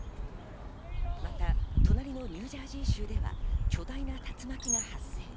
また隣のニュージャージー州では巨大な竜巻が発生。